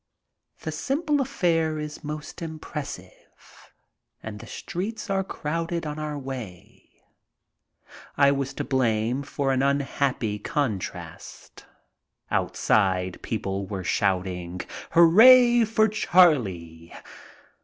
The simple affair is most impressive and the streets are crowded on our way. I was to blame for an unhappy con trast. Outside people were shouting, '' Hooray for Charlie